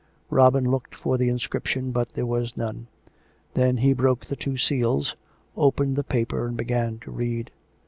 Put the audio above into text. Robin looked for the inscription, but there was none. Then he broke the two seals, opened the paper and began to read.